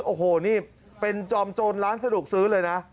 โอ้โหนี่เป็นจอมโจรร้านสะดวกซื้อเลยนะ